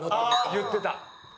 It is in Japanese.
言ってた。